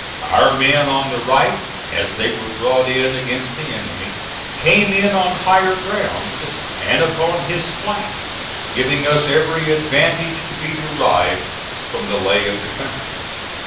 Our men on the right, as they were brought in against the enemy, came in on higher ground, and upon his flank, giving us every advantage to be derived from the lay of the country.